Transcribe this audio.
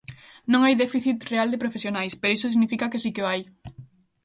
Non hai déficit real de profesionais, pero iso significa que si que o hai.